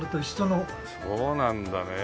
そうなんだね。